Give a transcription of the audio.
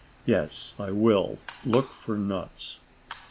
Yes, I will look for nuts."